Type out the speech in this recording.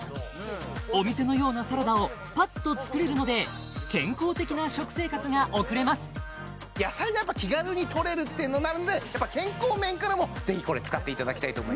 お店のようなサラダをパッと作れるので健康的な食生活が送れます野菜がやっぱ気軽にとれるっていうようになるんでやっぱ健康面からもぜひこれ使っていただきたいと思います